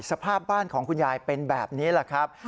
สภาพบ้านของคุณยายเป็นแบบนี้แหละครับ